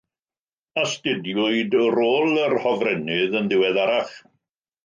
Astudiwyd rôl yr hofrennydd yn ddiweddarach.